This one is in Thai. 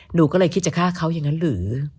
หนูก็เลยคิดจะฆ่าเขาอย่างนั้นหรือ